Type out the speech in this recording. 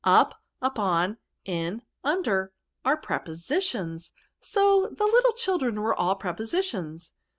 " Up, upon, in, under, are prepositions ; so the little children were all Prepositions."